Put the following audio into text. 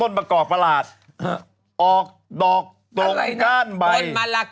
ต้นมะกอกประหลาดออกดอกตกก้านใบ